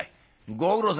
ご苦労さん」。